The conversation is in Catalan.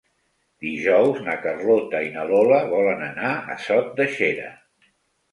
Dijous na Carlota i na Lola volen anar a Sot de Xera.